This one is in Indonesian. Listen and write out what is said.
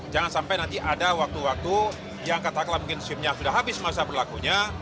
jangan sampai nanti ada waktu waktu yang katakanlah mungkin simnya sudah habis masa berlakunya